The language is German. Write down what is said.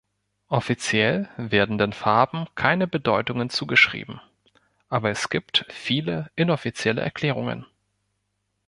Offiziell werden den Farben keine Bedeutungen zugeschrieben, aber es gibt viele inoffizielle Erklärungen.